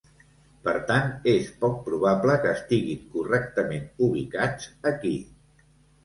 Per tant, és poc probable que estiguin correctament ubicats aquí.